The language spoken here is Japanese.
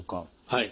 はい。